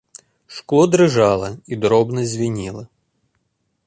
Шкло дрыжала і дробна звінела.